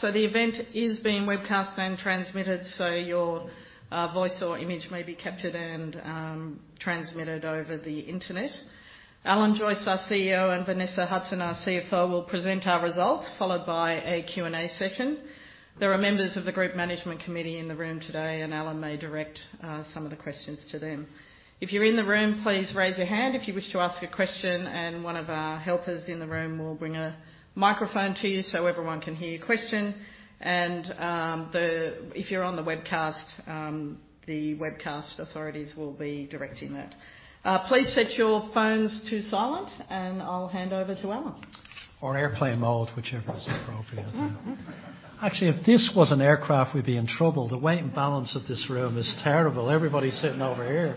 The event is being webcast and transmitted, so your voice or image may be captured and transmitted over the internet. Alan Joyce, our CEO, and Vanessa Hudson, our CFO, will present our results, followed by a Q&A session. There are members of the Group Management Committee in the room today, and Alan may direct some of the questions to them. If you're in the room, please raise your hand if you wish to ask a question, and one of our helpers in the room will bring a microphone to you so everyone can hear your question. And if you're on the webcast, the webcast authorities will be directing that. Please set your phones to silent, and I'll hand over to Alan. Or airplane mode, whichever is appropriate. Actually, if this was an aircraft, we'd be in trouble. The weight and balance of this room is terrible. Everybody's sitting over here.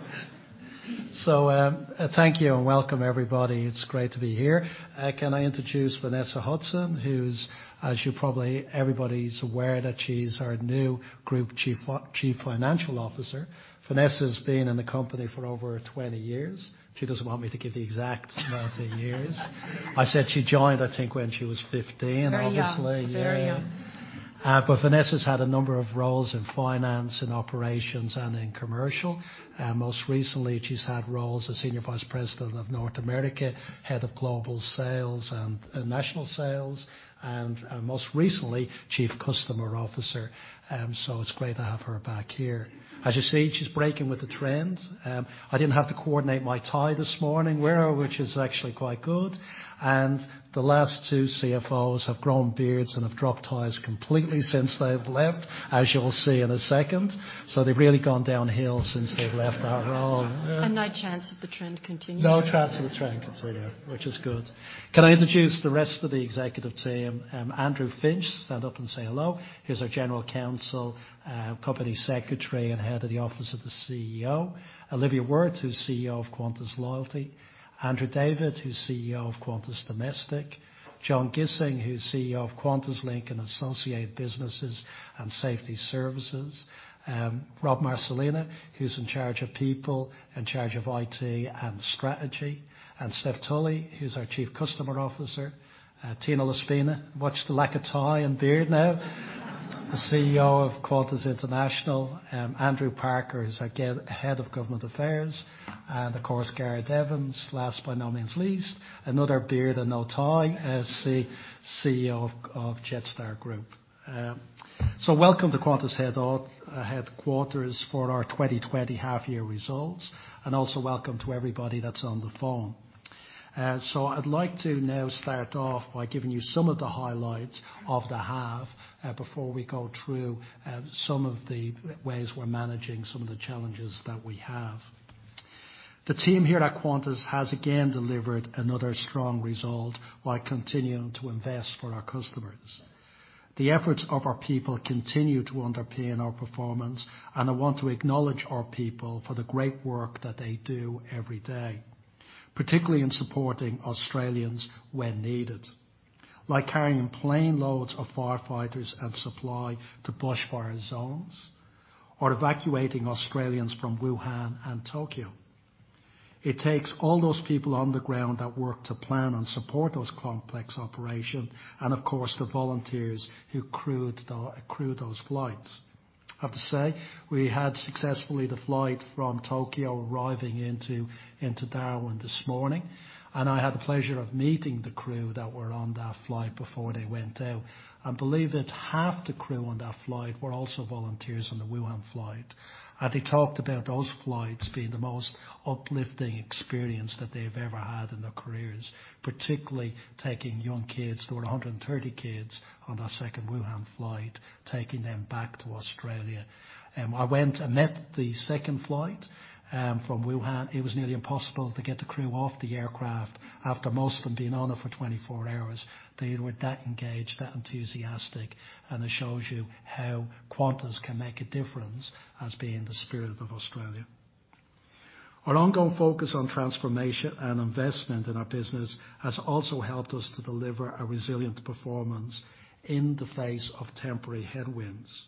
So thank you and welcome, everybody. It's great to be here. Can I introduce Vanessa Hudson, who's, as you probably everybody's aware, that she's our new Group Chief Financial Officer. Vanessa's been in the company for over 20 years. She doesn't want me to give the exact amount of years. I said she joined, I think, when she was 15, obviously. Oh, yeah. Very young. But Vanessa's had a number of roles in finance, in operations, and in commercial. Most recently, she's had roles as Senior Vice President of North America, Head of Global Sales and National Sales, and most recently, Chief Customer Officer. So it's great to have her back here. As you see, she's breaking with the trends. I didn't have to coordinate my tie this morning, which is actually quite good. And the last two CFOs have grown beards and have dropped ties completely since they've left, as you'll see in a second. So they've really gone downhill since they've left our role. No chance of the trend continuing. No chance of the trend continuing, which is good. Can I introduce the rest of the executive team? Andrew Finch, stand up and say hello. He's our General Counsel, Company Secretary, and Head of the Office of the CEO. Olivia Wirth, who's CEO of Qantas Loyalty. Andrew David, who's CEO of Qantas Domestic. John Gissing, who's CEO of QantasLink and Associated Businesses and Safety Services. Rob Marcolina, who's in charge of people, in charge of IT and strategy. And Steph Tully, who's our Chief Customer Officer. Tino La Spina, what's the lack of tie and beard now? The CEO of Qantas International. Andrew Parker, who's our Head of Government Affairs. And of course, Gareth Evans, last but not least, another beard and no tie, as the CEO of Jetstar Group. So welcome to Qantas Headquarters for our 2020 half-year results. And also welcome to everybody that's on the phone. So I'd like to now start off by giving you some of the highlights of the half before we go through some of the ways we're managing some of the challenges that we have. The team here at Qantas has, again, delivered another strong result while continuing to invest for our customers. The efforts of our people continue to underpin our performance, and I want to acknowledge our people for the great work that they do every day, particularly in supporting Australians when needed, like carrying plane loads of firefighters and supply to bushfire zones, or evacuating Australians from Wuhan and Tokyo. It takes all those people on the ground that work to plan and support those complex operations, and of course, the volunteers who crewed those flights. I have to say we had successfully the flight from Tokyo arriving into Darwin this morning, and I had the pleasure of meeting the crew that were on that flight before they went out, and believe it, half the crew on that flight were also volunteers on the Wuhan flight, and they talked about those flights being the most uplifting experience that they've ever had in their careers, particularly taking young kids, there were 130 kids on that second Wuhan flight, taking them back to Australia. I went and met the second flight from Wuhan. It was nearly impossible to get the crew off the aircraft after most of them had been on it for 24 hours. They were that engaged, that enthusiastic, and it shows you how Qantas can make a difference as being the spirit of Australia. Our ongoing focus on transformation and investment in our business has also helped us to deliver a resilient performance in the face of temporary headwinds,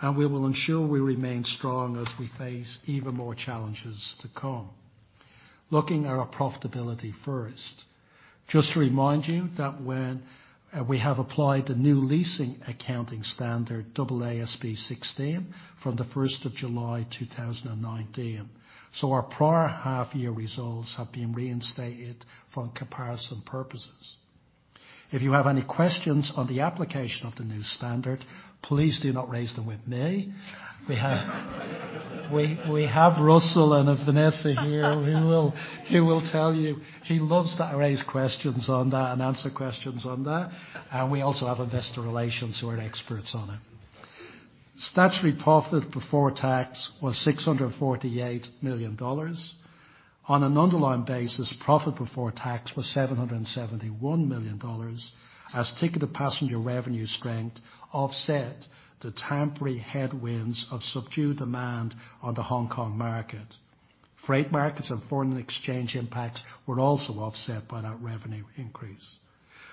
and we will ensure we remain strong as we face even more challenges to come. Looking at our profitability first, just to remind you that we have applied the new leasing accounting standard, AASB 16, from the 1st of July 2019, so our prior half-year results have been reinstated for comparison purposes. If you have any questions on the application of the new standard, please do not raise them with me. We have Russell and Vanessa here who will tell you. He loves to raise questions on that and answer questions on that, and we also have investor relations who are experts on it. Statutory profit before tax was 648 million dollars. On an underlying basis, profit before tax was 771 million dollars, as ticketed passenger revenue strength offset the temporary headwinds of subdued demand on the Hong Kong market. Freight markets and foreign exchange impacts were also offset by that revenue increase.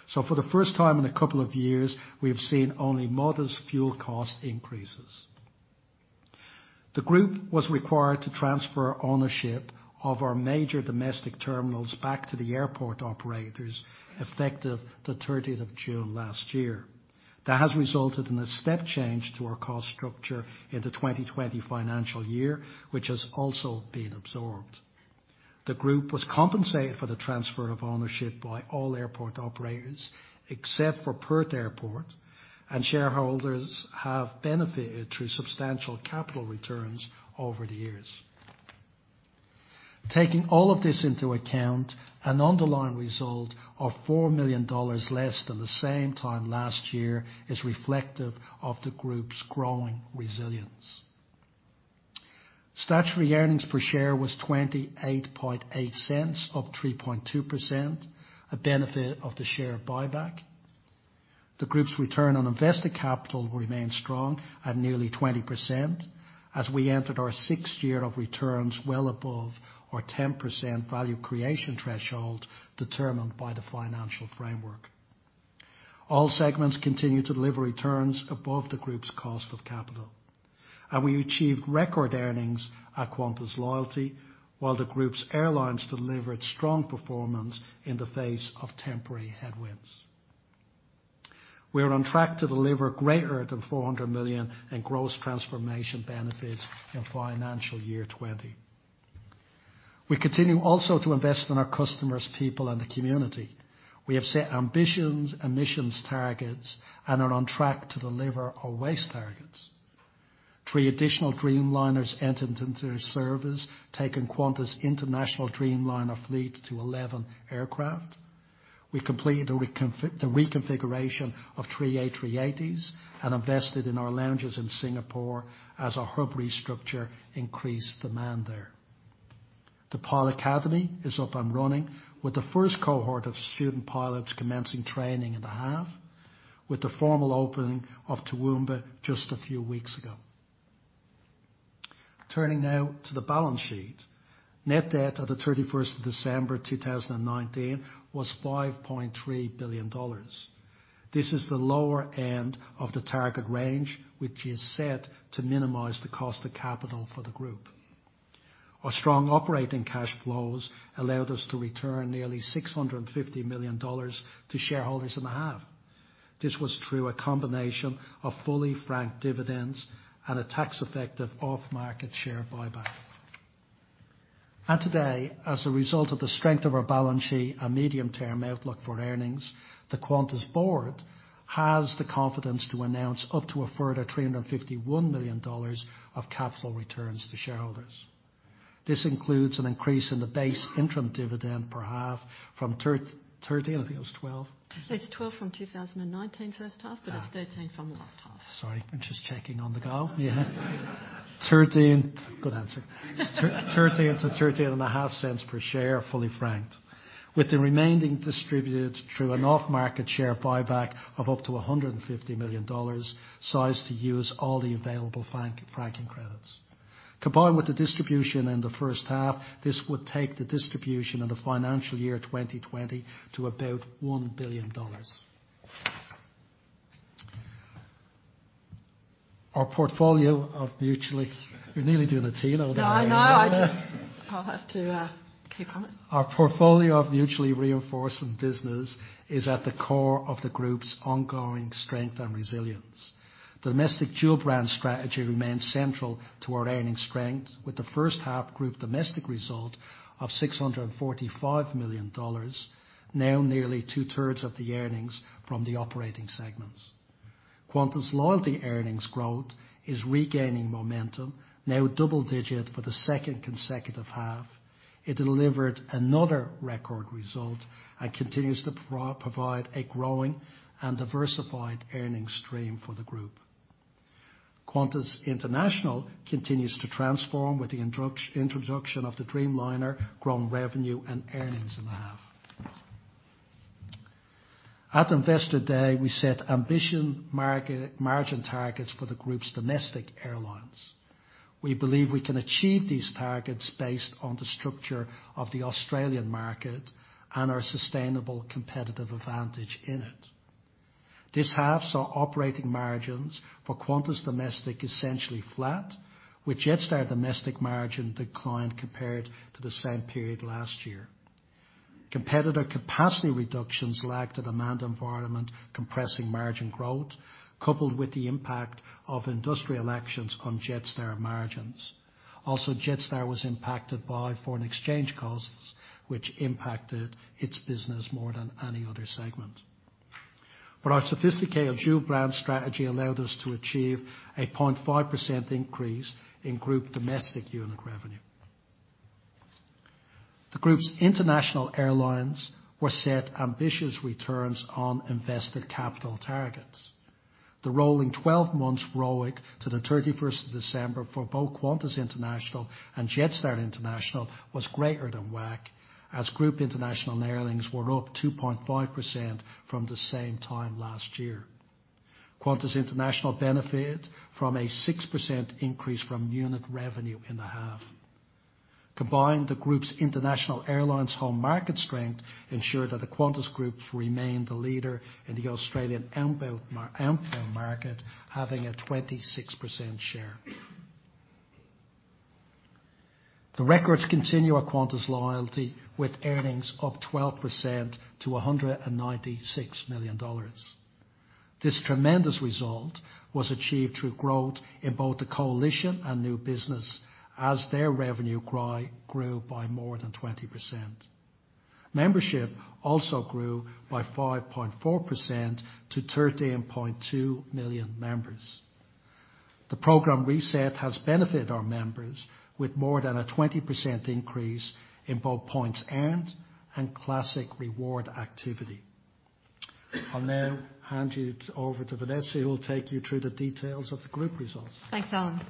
So for the first time in a couple of years, we've seen only modest fuel cost increases. The group was required to transfer ownership of our major domestic terminals back to the airport operators effective the 30th of June last year. That has resulted in a step change to our cost structure in the 2020 financial year, which has also been absorbed. The group was compensated for the transfer of ownership by all airport operators except for Perth Airport, and shareholders have benefited through substantial capital returns over the years. Taking all of this into account, an underlying result of 4 million dollars less than the same time last year is reflective of the group's growing resilience. Statutory earnings per share was 0.288 of 3.2%, a benefit of the share buyback. The group's return on invested capital remained strong at nearly 20% as we entered our sixth year of returns well above our 10% value creation threshold determined by the financial framework. All segments continue to deliver returns above the group's cost of capital. And we achieved record earnings at Qantas Loyalty, while the group's airlines delivered strong performance in the face of temporary headwinds. We are on track to deliver greater than 400 million in gross transformation benefits in financial year 2020. We continue also to invest in our customers, people, and the community. We have set ambitions and missions targets and are on track to deliver our WASE targets. Three additional Dreamliners entered into service, taking Qantas' international Dreamliner fleet to 11 aircraft. We completed the reconfiguration of three A380s and invested in our lounges in Singapore as our hub restructure increased demand there. The Pilot Academy is up and running, with the first cohort of student pilots commencing training in the half, with the formal opening of Toowoomba just a few weeks ago. Turning now to the balance sheet, net debt at the 31st of December 2019 was 5.3 billion dollars. This is the lower end of the target range, which is set to minimize the cost of capital for the group. Our strong operating cash flows allowed us to return nearly 650 million dollars to shareholders in the half. This was through a combination of fully franked dividends and a tax-effective off-market share buyback. Today, as a result of the strength of our balance sheet and medium-term outlook for earnings, the Qantas board has the confidence to announce up to a further 351 million dollars of capital returns to shareholders. This includes an increase in the base interim dividend per half from 13, I think it was 12? It's 12 from 2019, first half, but it's 13 from the last half. Sorry, I'm just checking on the go. Yeah. 13. Good answer. 0.13-0.135 per share, fully franked, with the remaining distributed through an off-market share buyback of up to 150 million dollars, sized to use all the available franking credits. Combined with the distribution in the first half, this would take the distribution in the financial year 2020 to about AUD 1 billion. Our portfolio of mutually - you're nearly doing a T, though. No, I know. I'll have to keep on it. Our portfolio of mutually reinforcing business is at the core of the group's ongoing strength and resilience. The domestic dual brand strategy remains central to our earnings strength, with the first half group domestic result of 645 million dollars, now nearly two-thirds of the earnings from the operating segments. Qantas Loyalty earnings growth is regaining momentum, now double-digit for the second consecutive half. It delivered another record result and continues to provide a growing and diversified earnings stream for the group. Qantas International continues to transform with the introduction of the Dreamliner, growing revenue and earnings in the half. At Investor Day, we set ambition margin targets for the group's domestic airlines. We believe we can achieve these targets based on the structure of the Australian market and our sustainable competitive advantage in it. This half saw operating margins for Qantas Domestic essentially flat, with Jetstar Domestic margin declined compared to the same period last year. Competitor capacity reductions lagged the demand environment, compressing margin growth, coupled with the impact of industrial actions on Jetstar margins. Also, Jetstar was impacted by foreign exchange costs, which impacted its business more than any other segment. But our sophisticated dual brand strategy allowed us to achieve a 0.5% increase in group domestic unit revenue. The group's international airlines were set ambitious returns on invested capital targets. The rolling 12-month ROIC to the 31st of December for both Qantas International and Jetstar International was greater than WACC, as group international airlines were up 2.5% from the same time last year. Qantas International benefited from a 6% increase from unit revenue in the half. Combined, the group's international airlines' home market strength ensured that the Qantas Group remained the leader in the Australian outbound market, having a 26% share. The records continue at Qantas Loyalty, with earnings up 12% to 196 million dollars. This tremendous result was achieved through growth in both the coalition and new business, as their revenue grew by more than 20%. Membership also grew by 5.4% to 13.2 million members. The program reset has benefited our members with more than a 20% increase in both points earned and classic reward activity. I'll now hand you over to Vanessa, who will take you through the details of the group results. Thanks, Alan.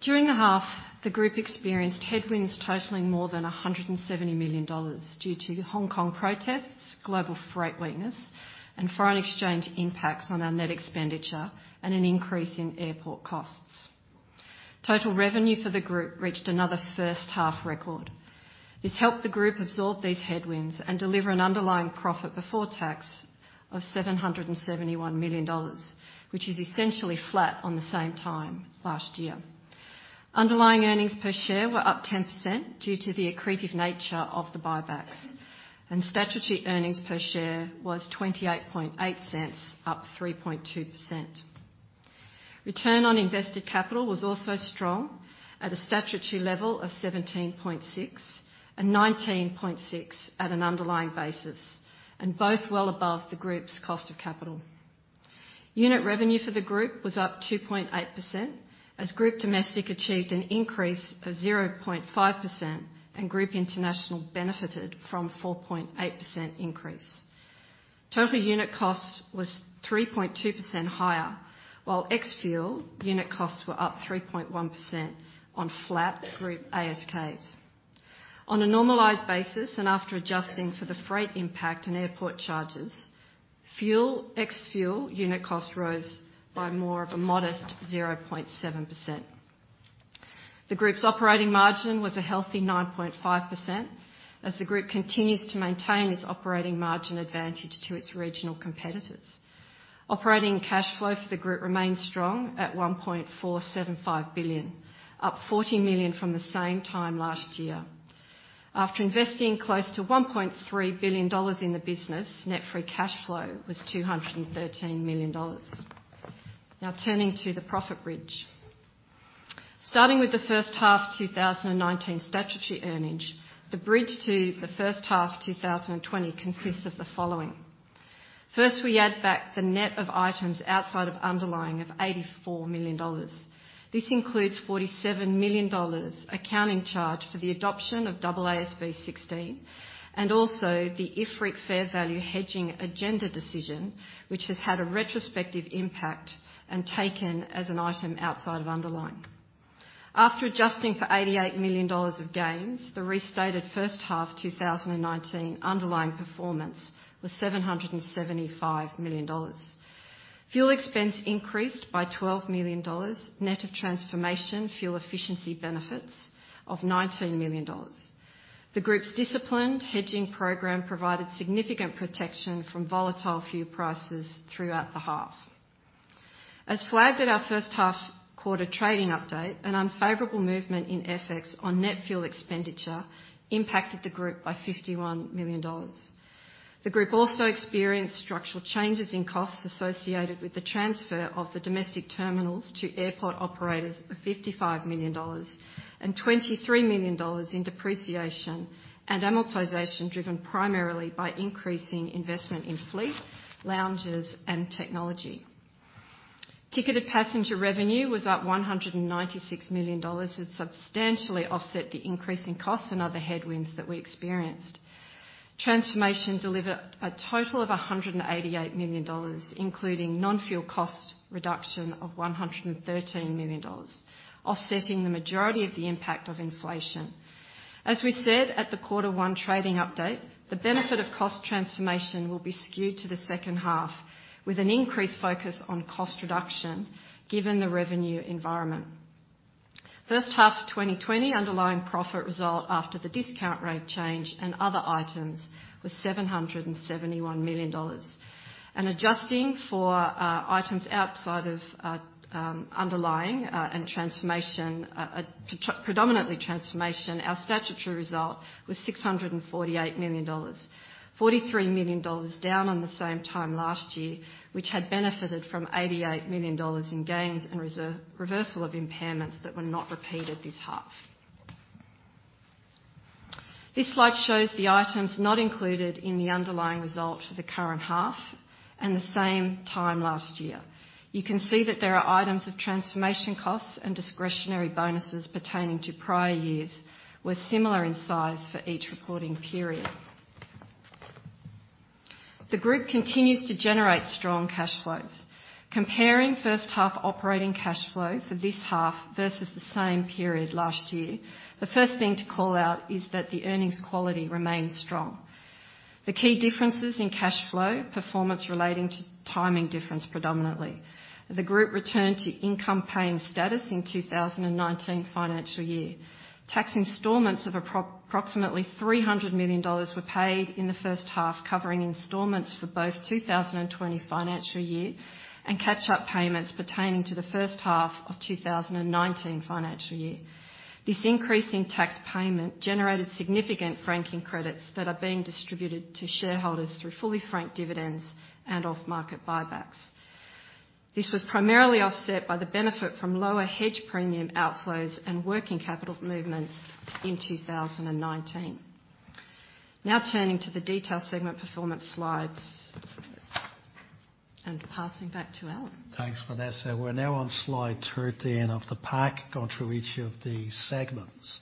During the half, the group experienced headwinds totaling more than 170 million dollars due to Hong Kong protests, global freight weakness, and foreign exchange impacts on our net expenditure and an increase in airport costs. Total revenue for the group reached another first-half record. This helped the group absorb these headwinds and deliver an underlying profit before tax of 771 million dollars, which is essentially flat on the same time last year. Underlying earnings per share were up 10% due to the accretive nature of the buybacks, and statutory earnings per share was 0.288, up 3.2%. Return on invested capital was also strong at a statutory level of 17.6% and 19.6% at an underlying basis, and both well above the group's cost of capital. Unit revenue for the group was up 2.8%, as group domestic achieved an increase of 0.5%, and group international benefited from a 4.8% increase. Total unit cost was 3.2% higher, while ex-fuel unit costs were up 3.1% on flat group ASKs. On a normalized basis and after adjusting for the freight impact and airport charges, ex-fuel unit cost rose by more of a modest 0.7%. The group's operating margin was a healthy 9.5%, as the group continues to maintain its operating margin advantage to its regional competitors. Operating cash flow for the group remained strong at 1.475 billion, up 14 million from the same time last year. After investing close to 1.3 billion dollars in the business, net free cash flow was 213 million dollars. Now, turning to the profit bridge. Starting with the first half 2019 statutory earnings, the bridge to the first half 2020 consists of the following. First, we add back the net of items outside of underlying of 84 million dollars. This includes 47 million dollars accounting charge for the adoption of AASB 16 and also the IFRIC fair value hedging agenda decision, which has had a retrospective impact and taken as an item outside of underlying. After adjusting for AUD 88 million of gains, the restated first half 2019 underlying performance was AUD 775 million. Fuel expense increased by AUD 12 million, net of transformation fuel efficiency benefits of AUD 19 million. The group's disciplined hedging program provided significant protection from volatile fuel prices throughout the half. As flagged at our first half quarter trading update, an unfavorable movement in FX on net fuel expenditure impacted the group by 51 million dollars. The group also experienced structural changes in costs associated with the transfer of the domestic terminals to airport operators of 55 million dollars and 23 million dollars in depreciation and amortization driven primarily by increasing investment in fleet, lounges, and technology. Ticketed passenger revenue was up 196 million dollars, which substantially offset the increase in costs and other headwinds that we experienced. Transformation delivered a total of 188 million dollars, including non-fuel cost reduction of 113 million dollars, offsetting the majority of the impact of inflation. As we said at the quarter one trading update, the benefit of cost transformation will be skewed to the second half, with an increased focus on cost reduction given the revenue environment. First half 2020 underlying profit result after the discount rate change and other items was 771 million dollars. And adjusting for items outside of underlying and predominantly transformation, our statutory result was 648 million dollars, 43 million dollars down on the same time last year, which had benefited from 88 million dollars in gains and reversal of impairments that were not repeated this half. This slide shows the items not included in the underlying result for the current half and the same time last year. You can see that there are items of transformation costs and discretionary bonuses pertaining to prior years, were similar in size for each reporting period. The group continues to generate strong cash flows. Comparing first half operating cash flow for this half versus the same period last year, the first thing to call out is that the earnings quality remains strong. The key differences in cash flow performance relating to timing difference predominantly. The group returned to income-paying status in 2019 financial year. Tax installments of approximately 300 million dollars were paid in the first half, covering installments for both 2020 financial year and catch-up payments pertaining to the first half of 2019 financial year. This increase in tax payment generated significant franking credits that are being distributed to shareholders through fully franked dividends and off-market buybacks. This was primarily offset by the benefit from lower hedge premium outflows and working capital movements in 2019. Now, turning to the detailed segment performance slides and passing back to Alan. Thanks, Vanessa. We're now on slide 13 of the pack, going through each of the segments.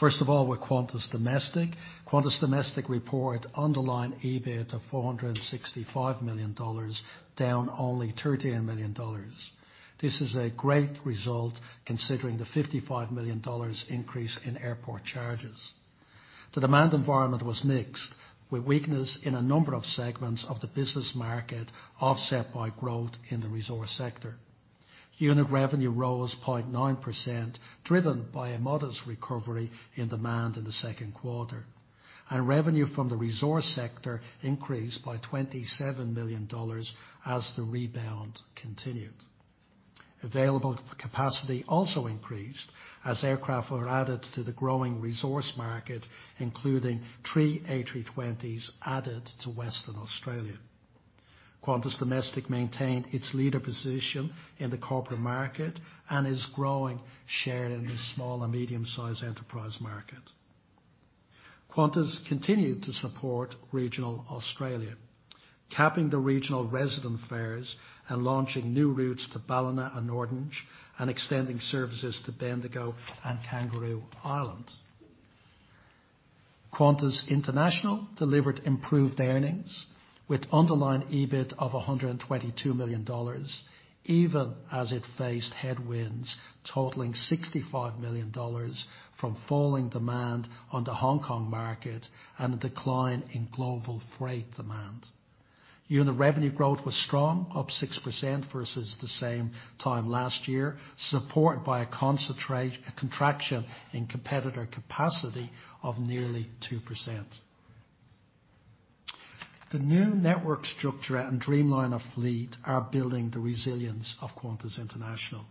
First of all, we're Qantas Domestic. Qantas Domestic reported underlying EBIT of 465 million dollars, down only 13 million dollars. This is a great result considering the 55 million dollars increase in airport charges. The demand environment was mixed, with weakness in a number of segments of the business market offset by growth in the resource sector. Unit revenue rose 0.9%, driven by a modest recovery in demand in the second quarter. And revenue from the resource sector increased by 27 million dollars as the rebound continued. Available capacity also increased as aircraft were added to the growing resource market, including three A320s added to Western Australia. Qantas Domestic maintained its leader position in the corporate market and is growing share in the small and medium-sized enterprise market. Qantas continued to support regional Australia, capping the regional resident fares and launching new routes to Ballina and Orange and extending services to Bendigo and Kangaroo Island. Qantas International delivered improved earnings with underlying EBIT of 122 million dollars, even as it faced headwinds totaling 65 million dollars from falling demand on the Hong Kong market and a decline in global freight demand. Unit revenue growth was strong, up 6% versus the same time last year, supported by a contraction in competitor capacity of nearly 2%. The new network structure and Dreamliner fleet are building the resilience of Qantas International.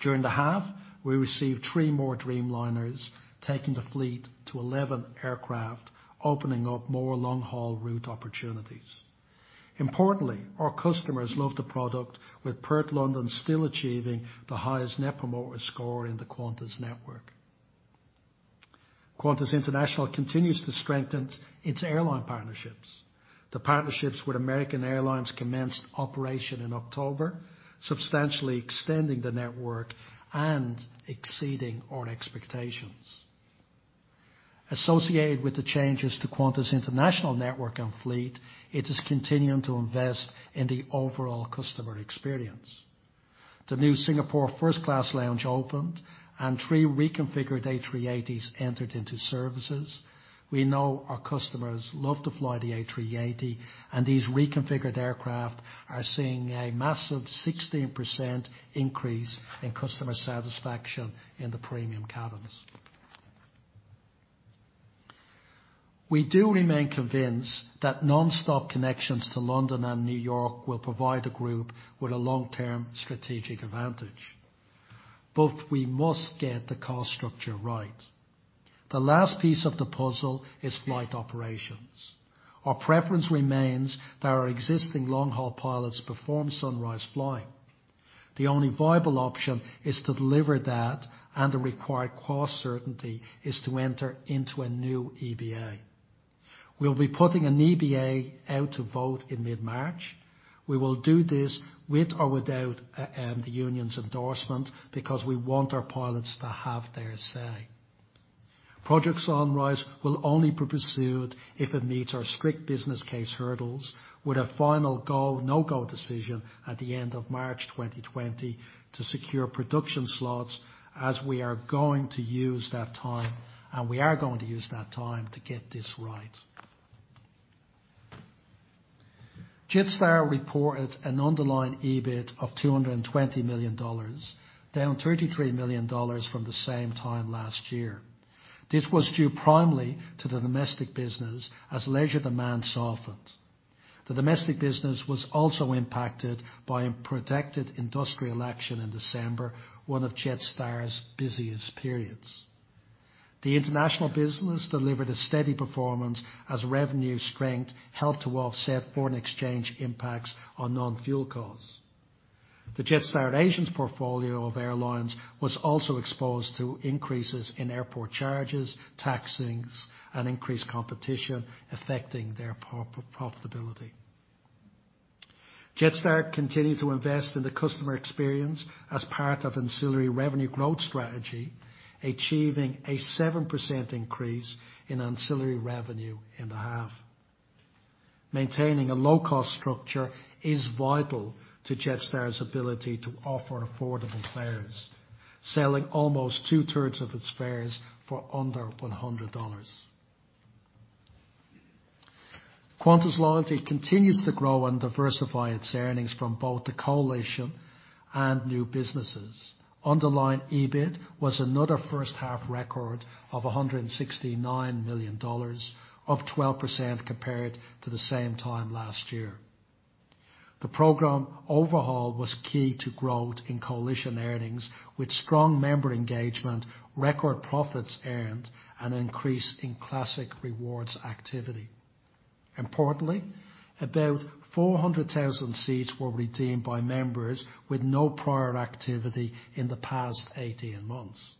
During the half, we received three more Dreamliners, taking the fleet to 11 aircraft, opening up more long-haul route opportunities. Importantly, our customers love the product, with Perth-London still achieving the highest Net Promoter Score in the Qantas network. Qantas International continues to strengthen its airline partnerships. The partnerships with American Airlines commenced operation in October, substantially extending the network and exceeding our expectations. Associated with the changes to Qantas International network and fleet, it is continuing to invest in the overall customer experience. The new Singapore first class lounge opened and three reconfigured A380s entered into services. We know our customers love to fly the A380, and these reconfigured aircraft are seeing a massive 16% increase in customer satisfaction in the premium cabins. We do remain convinced that non-stop connections to London and New York will provide the group with a long-term strategic advantage. But we must get the cost structure right. The last piece of the puzzle is flight operations. Our preference remains that our existing long-haul pilots perform sunrise flying. The only viable option is to deliver that, and the required cost certainty is to enter into a new EBA. We'll be putting an EBA out to vote in mid-March. We will do this with or without the union's endorsement because we want our pilots to have their say. Project Sunrise will only be pursued if it meets our strict business case hurdles with a final no-go decision at the end of March 2020 to secure production slots, as we are going to use that time, and we are going to use that time to get this right. Jetstar reported an underlying EBIT of 220 million dollars, down 33 million dollars from the same time last year. This was due primarily to the domestic business as leisure demand softened. The domestic business was also impacted by a projected industrial action in December, one of Jetstar's busiest periods. The international business delivered a steady performance as revenue strength helped to offset foreign exchange impacts on non-fuel costs. The Jetstar Asia's portfolio of airlines was also exposed to increases in airport charges, taxes, and increased competition affecting their profitability. Jetstar continued to invest in the customer experience as part of ancillary revenue growth strategy, achieving a 7% increase in ancillary revenue in the half. Maintaining a low-cost structure is vital to Jetstar's ability to offer affordable fares, selling almost two-thirds of its fares for under 100 dollars. Qantas Loyalty continues to grow and diversify its earnings from both the coalition and new businesses. Underlying EBIT was another first half record of 169 million dollars, up 12% compared to the same time last year. The program overhaul was key to growth in coalition earnings, with strong member engagement, record profits earned, and an increase in classic rewards activity. Importantly, about 400,000 seats were redeemed by members with no prior activity in the past 18 months.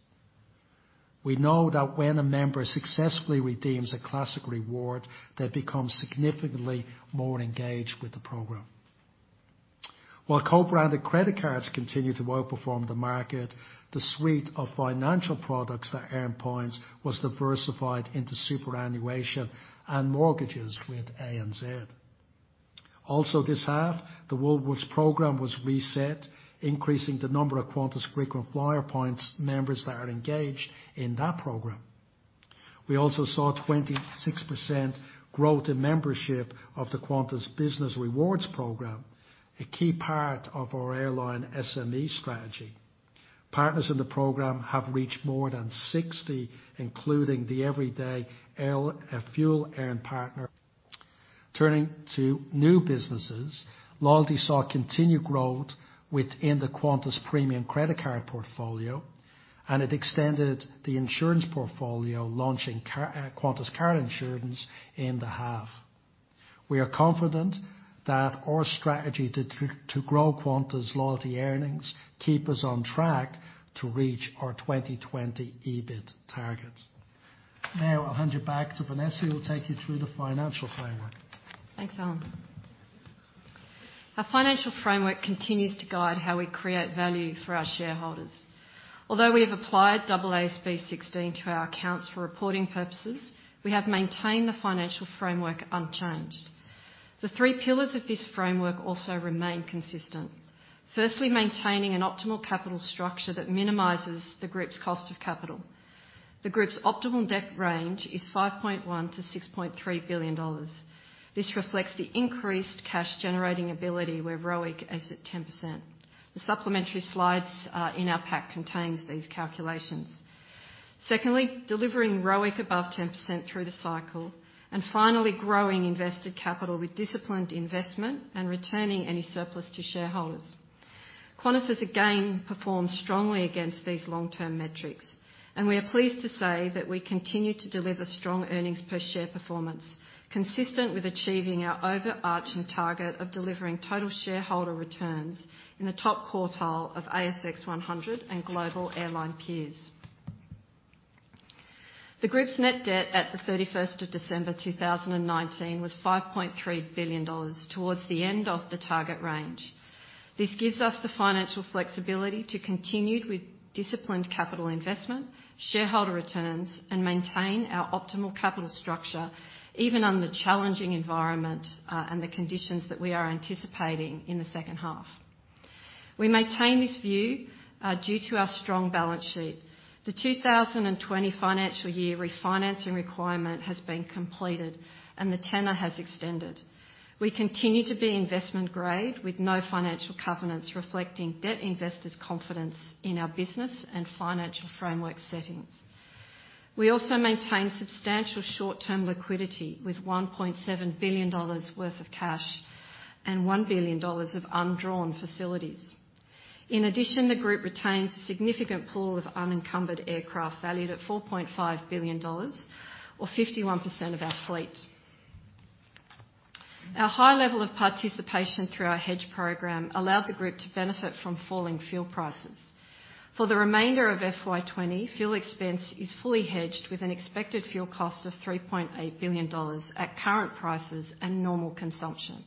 We know that when a member successfully redeems a classic reward, they become significantly more engaged with the program. While co-branded credit cards continue to outperform the market, the suite of financial products that earn points was diversified into superannuation and mortgages with ANZ. Also, this half, the Woolworths program was reset, increasing the number of Qantas Frequent Flyer points members that are engaged in that program. We also saw 26% growth in membership of the Qantas Business Rewards program, a key part of our airline SME strategy. Partners in the program have reached more than 60, including the everyday fuel-earned partner. Turning to new businesses, Loyalty saw continued growth within the Qantas Premium Credit Card portfolio, and it extended the insurance portfolio, launching Qantas Card Insurance in the half. We are confident that our strategy to grow Qantas Loyalty earnings keeps us on track to reach our 2020 EBIT target. Now, I'll hand you back to Vanessa. We'll take you through the financial framework. Thanks, Alan. Our financial framework continues to guide how we create value for our shareholders. Although we have applied AASB 16 to our accounts for reporting purposes, we have maintained the financial framework unchanged. The three pillars of this framework also remain consistent. Firstly, maintaining an optimal capital structure that minimizes the group's cost of capital. The group's optimal debt range is 5.1 billion-6.3 billion dollars. This reflects the increased cash-generating ability where ROIC is at 10%. The supplementary slides in our pack contain these calculations. Secondly, delivering ROIC above 10% through the cycle. And finally, growing invested capital with disciplined investment and returning any surplus to shareholders. Qantas has again performed strongly against these long-term metrics, and we are pleased to say that we continue to deliver strong earnings per share performance, consistent with achieving our overarching target of delivering total shareholder returns in the top quartile of ASX 100 and global airline peers. The group's net debt at the 31st of December 2019 was 5.3 billion dollars towards the end of the target range. This gives us the financial flexibility to continue with disciplined capital investment, shareholder returns, and maintain our optimal capital structure even under the challenging environment and the conditions that we are anticipating in the second half. We maintain this view due to our strong balance sheet. The 2020 financial year refinancing requirement has been completed, and the tenor has extended. We continue to be investment-grade with no financial covenants reflecting debt investors' confidence in our business and financial framework settings. We also maintain substantial short-term liquidity with 1.7 billion dollars worth of cash and 1 billion dollars of undrawn facilities. In addition, the group retains a significant pool of unencumbered aircraft valued at 4.5 billion dollars, or 51% of our fleet. Our high level of participation through our hedge program allowed the group to benefit from falling fuel prices. For the remainder of FY20, fuel expense is fully hedged with an expected fuel cost of AUD 3.8 billion at current prices and normal consumption.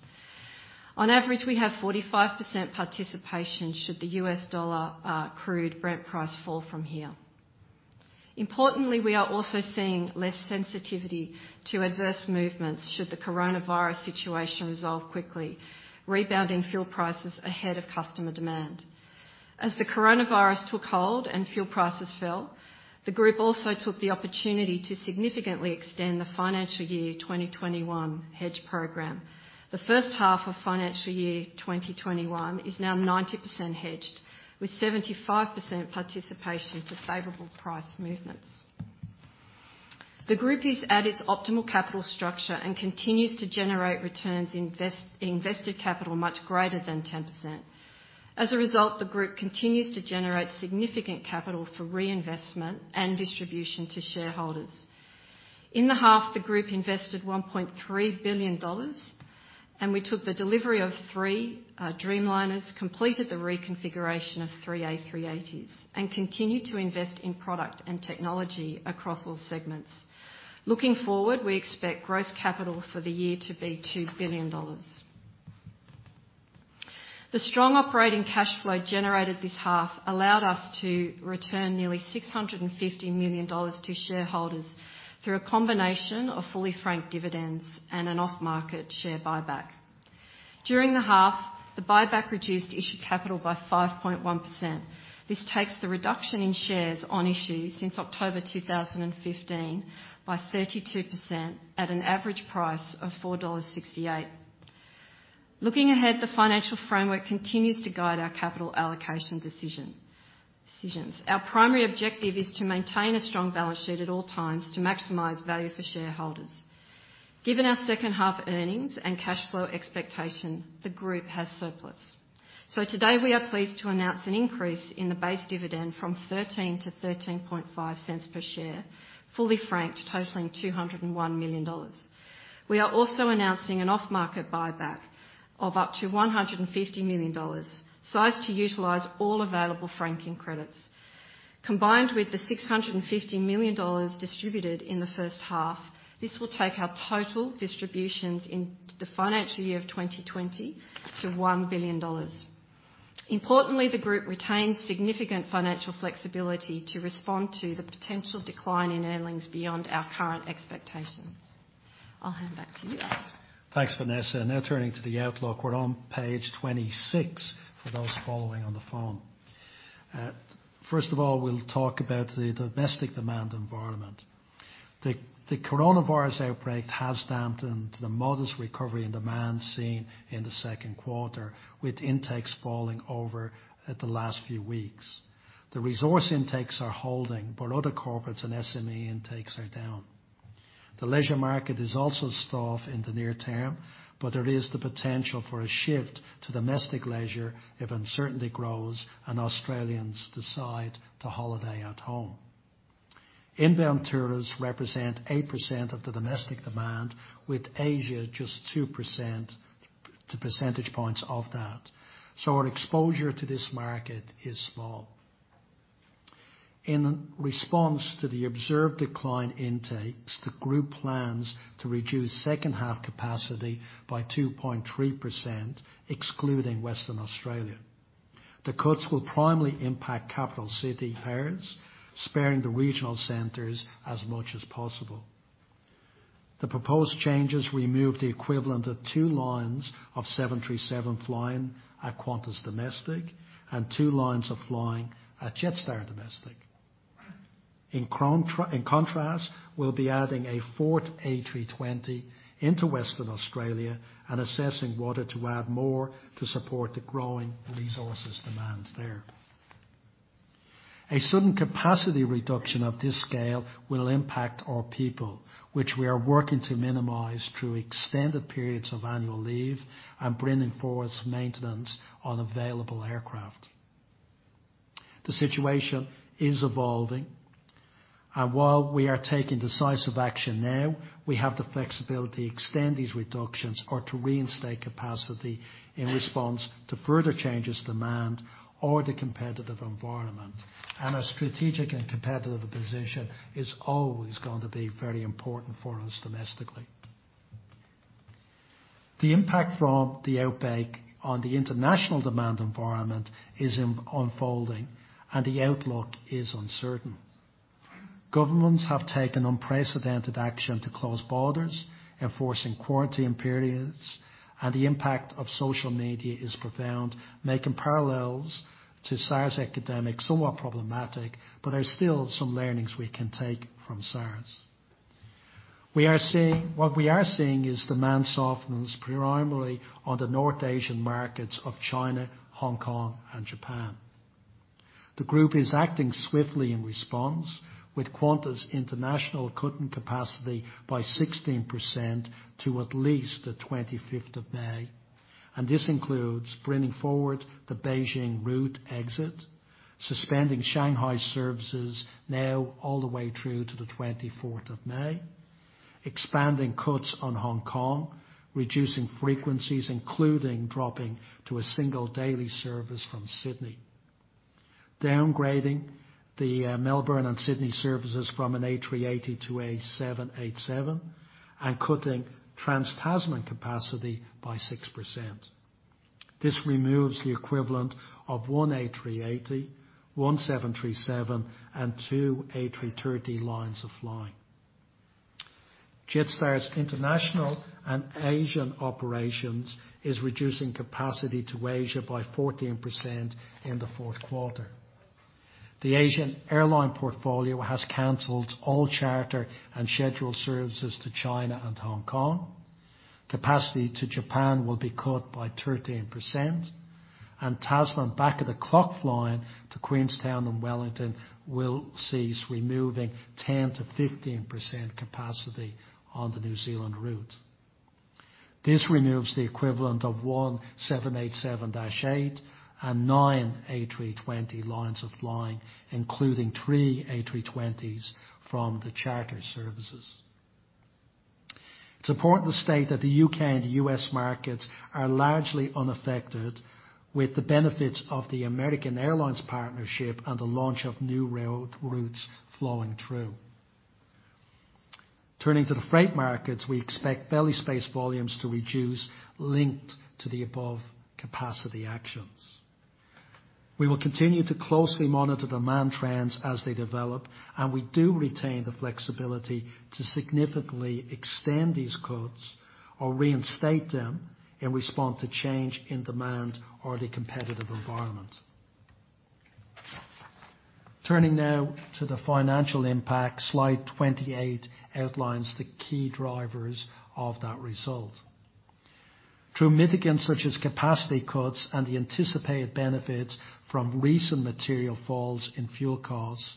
On average, we have 45% participation should the U.S. dollar Crude Brent price fall from here. Importantly, we are also seeing less sensitivity to adverse movements should the coronavirus situation resolve quickly, rebounding fuel prices ahead of customer demand. As the coronavirus took hold and fuel prices fell, the group also took the opportunity to significantly extend the financial year 2021 hedge program. The first half of financial year 2021 is now 90% hedged, with 75% participation to favorable price movements. The group is at its optimal capital structure and continues to generate returns in invested capital much greater than 10%. As a result, the group continues to generate significant capital for reinvestment and distribution to shareholders. In the half, the group invested 1.3 billion dollars, and we took the delivery of three Dreamliners, completed the reconfiguration of three A380s, and continued to invest in product and technology across all segments. Looking forward, we expect gross capital for the year to be 2 billion dollars. The strong operating cash flow generated this half allowed us to return nearly 650 million dollars to shareholders through a combination of fully franked dividends and an off-market share buyback. During the half, the buyback reduced issue capital by 5.1%. This takes the reduction in shares on issue since October 2015 by 32% at an average price of 4.68 dollars. Looking ahead, the financial framework continues to guide our capital allocation decisions. Our primary objective is to maintain a strong balance sheet at all times to maximize value for shareholders. Given our second half earnings and cash flow expectation, the group has surplus, so today we are pleased to announce an increase in the base dividend from 0.13 to 0.135 per share, fully franked totaling AUD 201 million. We are also announcing an off-market buyback of up to AUD 150 million, sized to utilize all available franking credits. Combined with the AUD 650 million distributed in the first half, this will take our total distributions in the financial year of 2020 to 1 billion dollars. Importantly, the group retains significant financial flexibility to respond to the potential decline in earnings beyond our current expectations. I'll hand back to you. Thanks, Vanessa. Now turning to the outlook, we're on page 26 for those following on the phone. First of all, we'll talk about the domestic demand environment. The coronavirus outbreak has dampened the modest recovery in demand seen in the second quarter, with intakes falling over the last few weeks. The resource intakes are holding, but other corporates and SME intakes are down. The leisure market is also soft in the near term, but there is the potential for a shift to domestic leisure if uncertainty grows and Australians decide to holiday at home. Inbound tourists represent 8% of the domestic demand, with Asia just 2 percentage points of that. So our exposure to this market is small. In response to the observed decline in takes, the group plans to reduce second half capacity by 2.3%, excluding Western Australia. The cuts will primarily impact capital city areas, sparing the regional centers as much as possible. The proposed changes remove the equivalent of two lines of 737 flying at Qantas Domestic and two lines of flying at Jetstar Domestic. In contrast, we'll be adding a fourth A320 into Western Australia and assessing whether to add more to support the growing resources demand there. A sudden capacity reduction of this scale will impact our people, which we are working to minimize through extended periods of annual leave and bringing forward maintenance on available aircraft. The situation is evolving, and while we are taking decisive action now, we have the flexibility to extend these reductions or to reinstate capacity in response to further changes in demand or the competitive environment, and our strategic and competitive position is always going to be very important for us domestically. The impact from the outbreak on the international demand environment is unfolding, and the outlook is uncertain. Governments have taken unprecedented action to close borders, enforcing quarantine periods, and the impact of social media is profound, making parallels to SARS epidemic somewhat problematic, but there are still some learnings we can take from SARS. What we are seeing is demand softness primarily on the North Asian markets of China, Hong Kong, and Japan. The group is acting swiftly in response with Qantas' international cutting capacity by 16% to at least the 25th of May, and this includes bringing forward the Beijing route exit, suspending Shanghai services now all the way through to the 24th of May, expanding cuts on Hong Kong, reducing frequencies, including dropping to a single daily service from Sydney, downgrading the Melbourne and Sydney services from an A380 to a 787, and cutting Trans-Tasman capacity by 6%. This removes the equivalent of one A380, one 737, and two A330 lines of flying. Jetstar's international and Asian operations are reducing capacity to Asia by 14% in the fourth quarter. The Asian airline portfolio has canceled all charter and scheduled services to China and Hong Kong. Capacity to Japan will be cut by 13%, and Tasman back at the clock flying to Queenstown and Wellington will cease, removing 10%-15% capacity on the New Zealand route. This removes the equivalent of one 787-8 and nine A320 lines of flying, including three A320s from the charter services. It's important to state that the U.K. and U.S. markets are largely unaffected, with the benefits of the American Airlines partnership and the launch of new routes flowing through. Turning to the freight markets, we expect belly space volumes to reduce linked to the above capacity actions. We will continue to closely monitor demand trends as they develop, and we do retain the flexibility to significantly extend these cuts or reinstate them in response to change in demand or the competitive environment. Turning now to the financial impact, slide 28 outlines the key drivers of that result. Through mitigants such as capacity cuts and the anticipated benefits from recent material falls in fuel costs,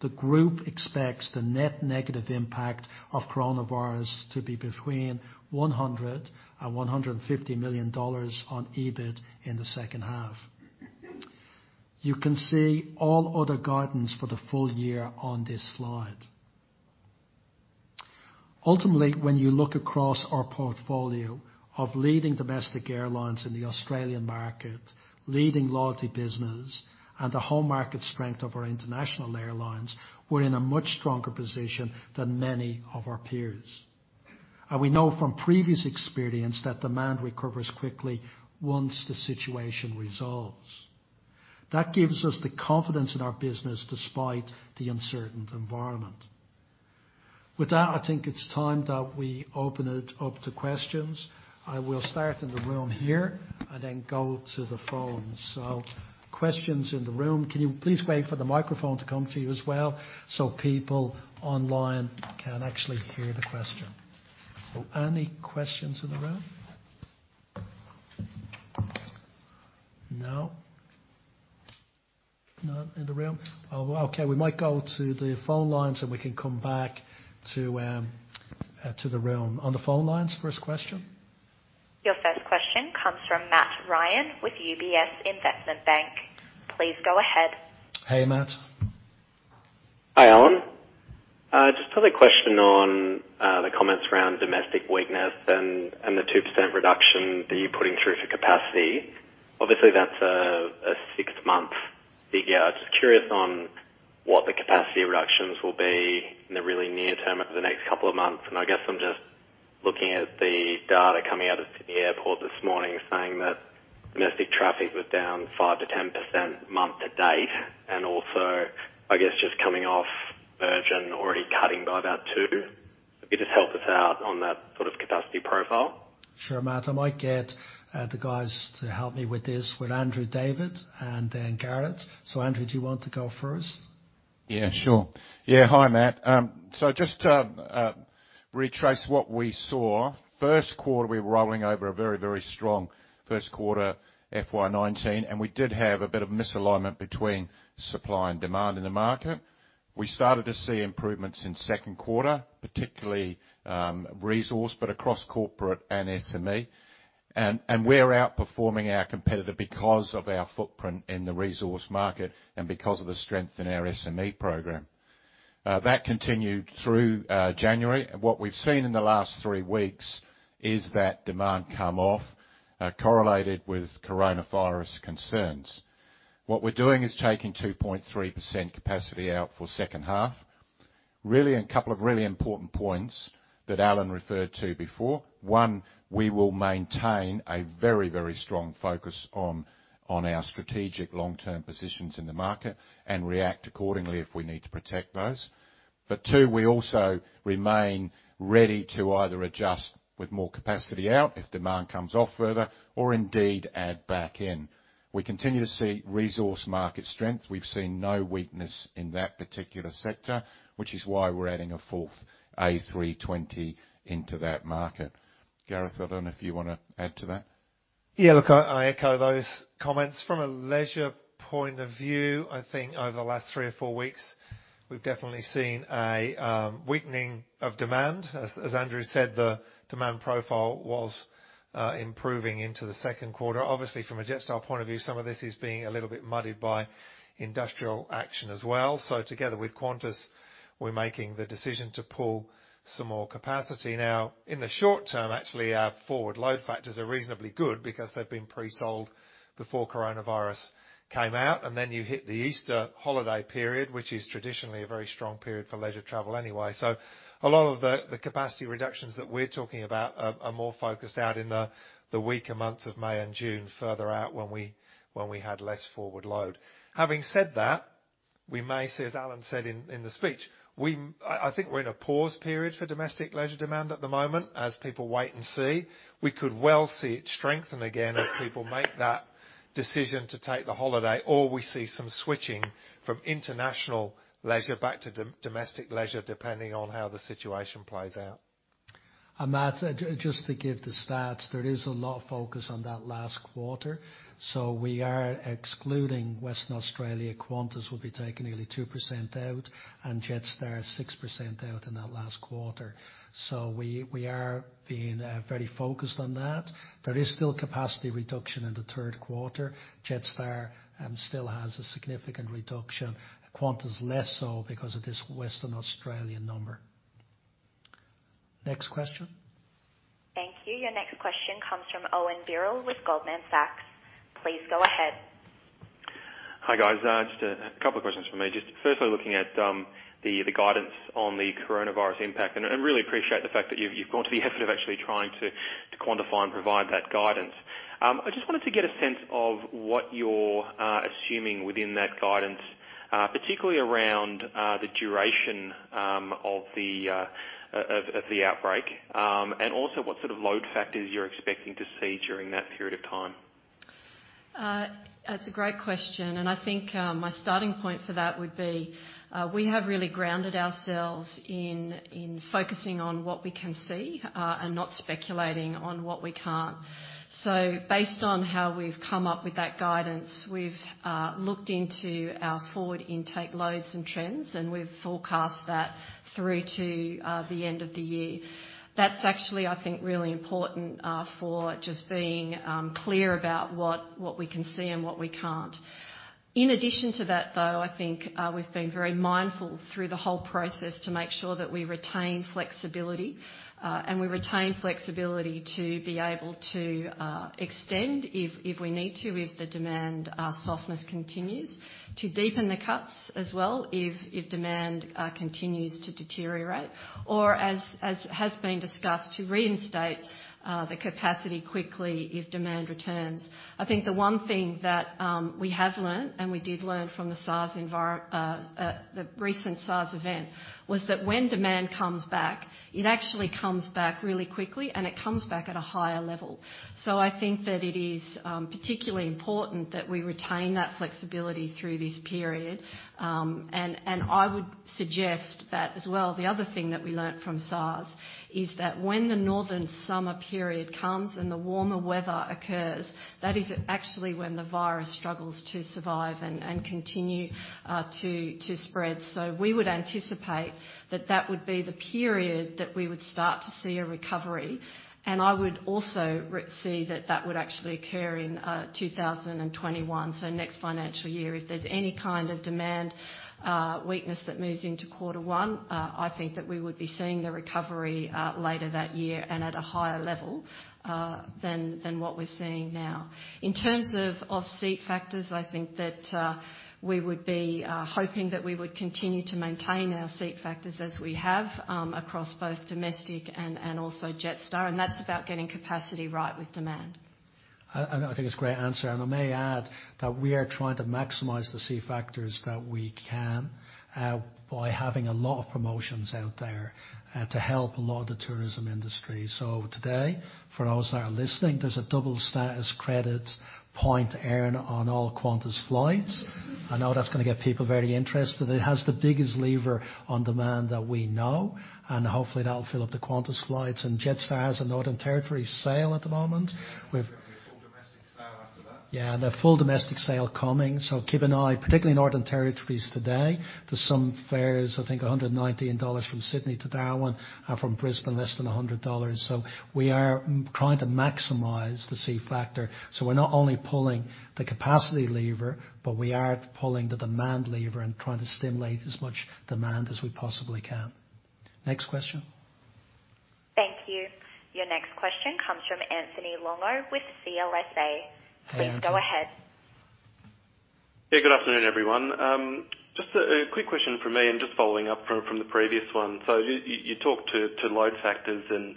the group expects the net negative impact of coronavirus to be between 100 million dollars and 150 million dollars on EBIT in the second half. You can see all other guidance for the full year on this slide. Ultimately, when you look across our portfolio of leading domestic airlines in the Australian market, leading loyalty business, and the whole market strength of our international airlines, we're in a much stronger position than many of our peers. And we know from previous experience that demand recovers quickly once the situation resolves. That gives us the confidence in our business despite the uncertain environment. With that, I think it's time that we open it up to questions. I will start in the room here and then go to the phones. So questions in the room, can you please wait for the microphone to come to you as well so people online can actually hear the question? Any questions in the room? No? None in the room? Okay. We might go to the phone lines, and we can come back to the room. On the phone lines, first question? Your first question comes from Matt Ryan with UBS Investment Bank. Please go ahead. Hey, Matt. Hi, Alan. Just another question on the comments around domestic weakness and the 2% reduction that you're putting through for capacity. Obviously, that's a six-month figure. I'm just curious on what the capacity reductions will be in the really near term over the next couple of months. And I guess I'm just looking at the data coming out of Sydney Airport this morning saying that domestic traffic was down 5%-10% month to date. And also, I guess just coming off Virgin already cutting by about 2%. Could you just help us out on that sort of capacity profile? Sure, Matt. I might get the guys to help me with this with Andrew David and then Gareth, so Andrew, do you want to go first? Yeah, sure. Yeah, hi, Matt. So just to retrace what we saw, first quarter, we were rolling over a very, very strong first quarter FY19, and we did have a bit of misalignment between supply and demand in the market. We started to see improvements in second quarter, particularly resource, but across corporate and SME. And we're outperforming our competitor because of our footprint in the resource market and because of the strength in our SME program. That continued through January. What we've seen in the last three weeks is that demand come off, correlated with coronavirus concerns. What we're doing is taking 2.3% capacity out for second half. Really, a couple of really important points that Alan referred to before. One, we will maintain a very, very strong focus on our strategic long-term positions in the market and react accordingly if we need to protect those. But two, we also remain ready to either adjust with more capacity out if demand comes off further or indeed add back in. We continue to see resource market strength. We've seen no weakness in that particular sector, which is why we're adding a fourth A320 into that market. Gareth, I don't know if you want to add to that. Yeah, look, I echo those comments. From a leisure point of view, I think over the last three or four weeks, we've definitely seen a weakening of demand. As Andrew said, the demand profile was improving into the second quarter. Obviously, from a Jetstar point of view, some of this is being a little bit muddied by industrial action as well. So together with Qantas, we're making the decision to pull some more capacity. Now, in the short term, actually, our forward load factors are reasonably good because they've been pre-sold before coronavirus came out. And then you hit the Easter holiday period, which is traditionally a very strong period for leisure travel anyway. So a lot of the capacity reductions that we're talking about are more focused out in the weaker months of May and June further out when we had less forward load. Having said that, we may, as Alan said in the speech, I think we're in a pause period for domestic leisure demand at the moment as people wait and see. We could well see it strengthen again as people make that decision to take the holiday, or we see some switching from international leisure back to domestic leisure depending on how the situation plays out. And Matt, just to give the stats, there is a lot of focus on that last quarter. So we are excluding Western Australia. Qantas will be taking nearly 2% out, and Jetstar 6% out in that last quarter. So we are being very focused on that. There is still capacity reduction in the third quarter. Jetstar still has a significant reduction. Qantas less so because of this Western Australian number. Next question. Thank you. Your next question comes from Owen Birrell with Goldman Sachs. Please go ahead. Hi guys. Just a couple of questions for me. Just first, we're looking at the guidance on the coronavirus impact, and I really appreciate the fact that you've gone to the effort of actually trying to quantify and provide that guidance. I just wanted to get a sense of what you're assuming within that guidance, particularly around the duration of the outbreak, and also what sort of load factors you're expecting to see during that period of time. That's a great question, and I think my starting point for that would be we have really grounded ourselves in focusing on what we can see and not speculating on what we can't, so based on how we've come up with that guidance, we've looked into our forward intake loads and trends, and we've forecast that through to the end of the year. That's actually, I think, really important for just being clear about what we can see and what we can't. In addition to that, though, I think we've been very mindful through the whole process to make sure that we retain flexibility, and we retain flexibility to be able to extend if we need to if the demand softness continues, to deepen the cuts as well if demand continues to deteriorate, or as has been discussed, to reinstate the capacity quickly if demand returns. I think the one thing that we have learned, and we did learn from the recent SARS event, was that when demand comes back, it actually comes back really quickly, and it comes back at a higher level. So I think that it is particularly important that we retain that flexibility through this period. And I would suggest that as well, the other thing that we learned from SARS is that when the northern summer period comes and the warmer weather occurs, that is actually when the virus struggles to survive and continue to spread. So we would anticipate that that would be the period that we would start to see a recovery. And I would also see that that would actually occur in 2021, so next financial year. If there's any kind of demand weakness that moves into quarter one, I think that we would be seeing the recovery later that year and at a higher level than what we're seeing now. In terms of seat factors, I think that we would be hoping that we would continue to maintain our seat factors as we have across both domestic and also Jetstar. And that's about getting capacity right with demand. I think it's a great answer, and I may add that we are trying to maximize the seat factors that we can by having a lot of promotions out there to help a lot of the tourism industry, so today, for those that are listening, there's a double status credit point earned on all Qantas flights. I know that's going to get people very interested. It has the biggest lever on demand that we know, and hopefully, that'll fill up the Qantas flights, and Jetstar has a Northern Territory sale at the moment. We have, yeah, and a full domestic sale coming, so keep an eye, particularly Northern Territory today, to some fares, I think 119 dollars from Sydney to Darwin and from Brisbane less than 100 dollars, so we are trying to maximize the seat factor, so we're not only pulling the capacity lever, but we are pulling the demand lever and trying to stimulate as much demand as we possibly can. Next question. Thank you. Your next question comes from Anthony Longo with CLSA. Please go ahead. Yeah, good afternoon, everyone. Just a quick question for me and just following up from the previous one. So you talked to load factors and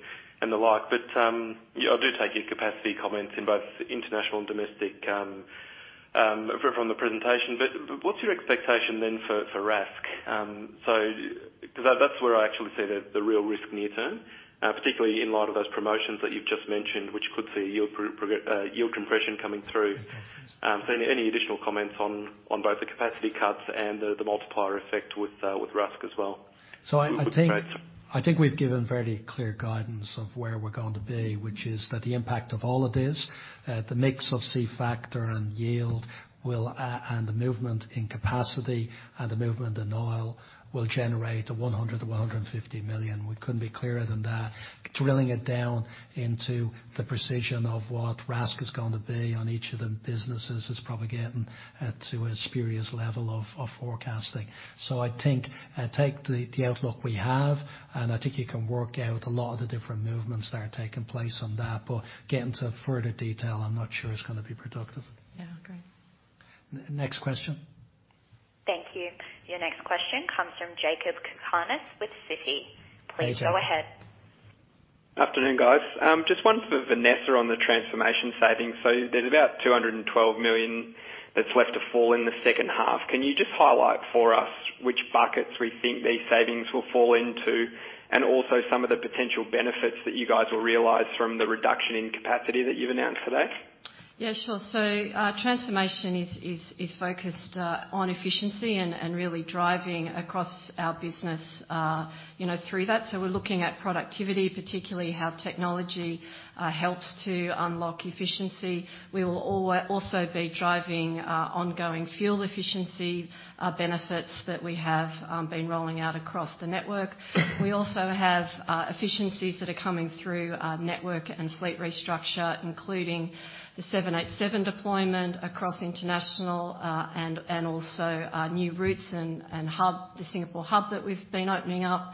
the like, but I do take your capacity comments in both international and domestic from the presentation. But what's your expectation then for RASC? Because that's where I actually see the real risk near term, particularly in light of those promotions that you've just mentioned, which could see yield compression coming through. So any additional comments on both the capacity cuts and the multiplier effect with RASC as well? So I think we've given very clear guidance of where we're going to be, which is that the impact of all of this, the mix of seat factor and yield and the movement in capacity and the movement in oil will generate 100 million-150 million. We couldn't be clearer than that. Drilling it down into the precision of what RASC is going to be on each of the businesses is probably getting to a spurious level of forecasting. So I think take the outlook we have, and I think you can work out a lot of the different movements that are taking place on that. But getting to further detail, I'm not sure it's going to be productive. Yeah, great. Next question. Thank you. Your next question comes from Jakob Cakarnis with Citi. Please go ahead. Good afternoon, guys. Just one for Vanessa on the transformation savings, so there's about 212 million that's left to fall in the second half. Can you just highlight for us which buckets we think these savings will fall into and also some of the potential benefits that you guys will realize from the reduction in capacity that you've announced today? Yeah, sure. So transformation is focused on efficiency and really driving across our business through that. So we're looking at productivity, particularly how technology helps to unlock efficiency. We will also be driving ongoing fuel efficiency benefits that we have been rolling out across the network. We also have efficiencies that are coming through network and fleet restructure, including the 787 deployment across international and also new routes and the Singapore hub that we've been opening up.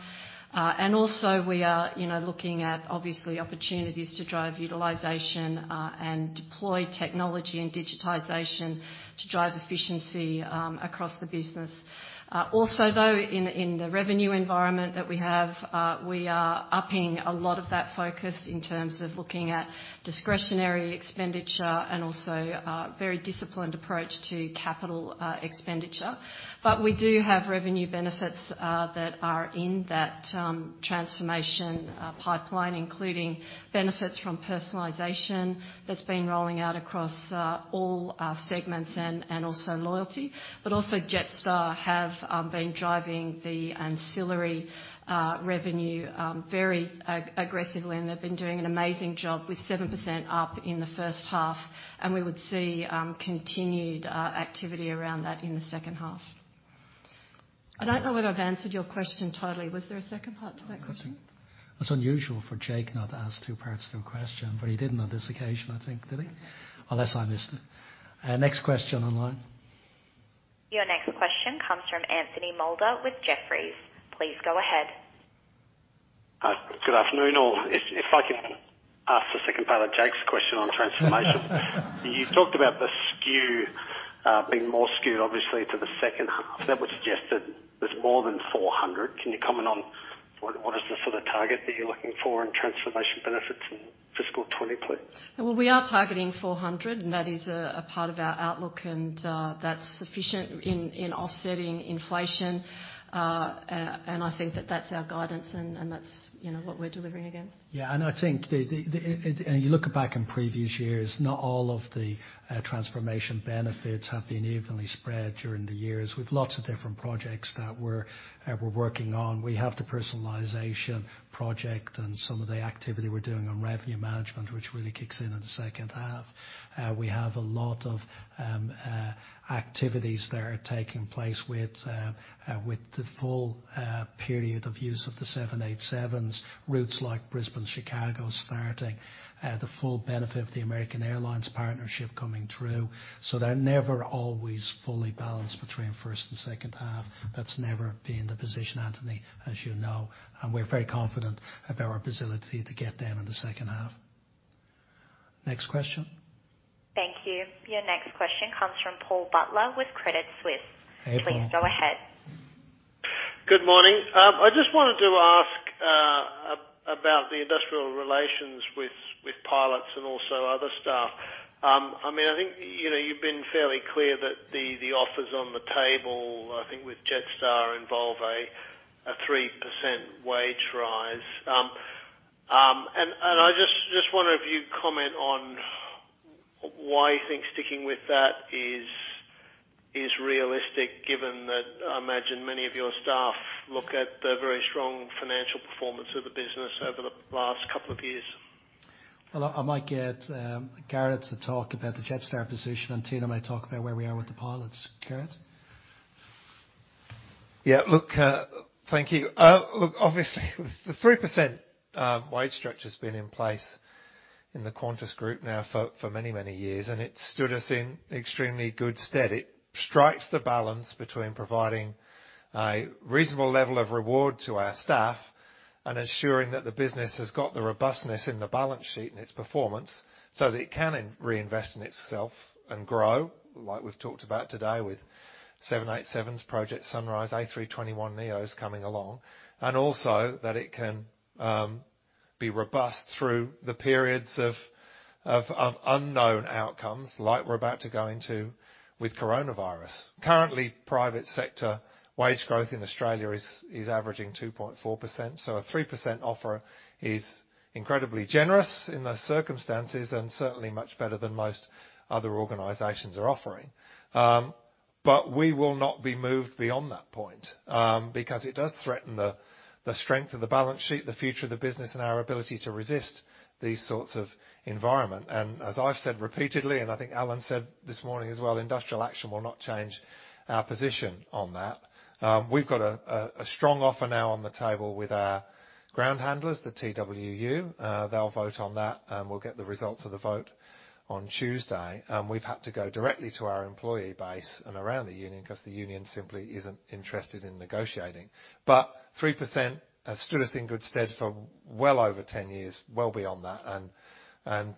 And also, we are looking at, obviously, opportunities to drive utilization and deploy technology and digitization to drive efficiency across the business. Also, though, in the revenue environment that we have, we are upping a lot of that focus in terms of looking at discretionary expenditure and also a very disciplined approach to capital expenditure. But we do have revenue benefits that are in that transformation pipeline, including benefits from personalization that's been rolling out across all segments and also Loyalty. But also, Jetstar have been driving the ancillary revenue very aggressively, and they've been doing an amazing job with 7% up in the first half. And we would see continued activity around that in the second half. I don't know whether I've answered your question totally. Was there a second part to that question? That's unusual for Jake not to ask two parts to a question, but he did on this occasion, I think, did he? Unless I missed it. Next question online. Your next question comes from Anthony Moulder with Jefferies. Please go ahead. Good afternoon all. If I can ask a second part of Jake's question on transformation. You talked about the skew being more skew, obviously, to the second half. That would suggest that there's more than 400. Can you comment on what is the sort of target that you're looking for in transformation benefits in fiscal 2020? We are targeting 400, and that is a part of our outlook, and that's sufficient in offsetting inflation. I think that that's our guidance, and that's what we're delivering again. Yeah, and I think you look back in previous years, not all of the transformation benefits have been evenly spread during the years. We've lots of different projects that we're working on. We have the personalization project and some of the activity we're doing on revenue management, which really kicks in in the second half. We have a lot of activities that are taking place with the full period of use of the 787s, routes like Brisbane-Chicago starting, the full benefit of the American Airlines partnership coming through. So they're never always fully balanced between first and second half. That's never been the position, Anthony, as you know. And we're very confident about our ability to get them in the second half. Next question. Thank you. Your next question comes from Paul Butler with Credit Suisse. Please go ahead. Good morning. I just wanted to ask about the industrial relations with pilots and also other staff. I mean, I think you've been fairly clear that the offers on the table, I think with Jetstar, involve a 3% wage rise. And I just wonder if you'd comment on why you think sticking with that is realistic, given that I imagine many of your staff look at the very strong financial performance of the business over the last couple of years. I might get Gareth to talk about the Jetstar position, and Tino may talk about where we are with the pilots. Gareth? Yeah, look, thank you. Look, obviously, the 3% wage structure has been in place in the Qantas Group now for many, many years, and it's stood us in extremely good stead. It strikes the balance between providing a reasonable level of reward to our staff and ensuring that the business has got the robustness in the balance sheet and its performance so that it can reinvest in itself and grow, like we've talked about today with 787s, Project Sunrise, A321neos coming along, and also that it can be robust through the periods of unknown outcomes like we're about to go into with coronavirus. Currently, private sector wage growth in Australia is averaging 2.4%. So a 3% offer is incredibly generous in those circumstances and certainly much better than most other organizations are offering. But we will not be moved beyond that point because it does threaten the strength of the balance sheet, the future of the business, and our ability to resist these sorts of environments. And as I've said repeatedly, and I think Alan said this morning as well, industrial action will not change our position on that. We've got a strong offer now on the table with our ground handlers, the TWU. They'll vote on that, and we'll get the results of the vote on Tuesday. And we've had to go directly to our employee base and around the union because the union simply isn't interested in negotiating. But 3% has stood us in good stead for well over 10 years, well beyond that. And